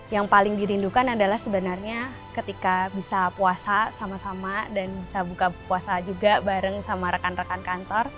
yang paling dirindukan adalah sebenarnya ketika bisa puasa sama sama dan bisa buka puasa juga bareng sama rekan rekan kantor